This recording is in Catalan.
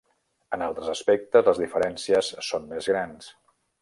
En altres aspectes les diferències són més grans.